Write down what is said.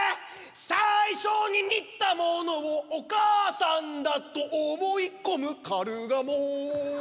最初に見たものをお母さんだと思い込むカルガモ。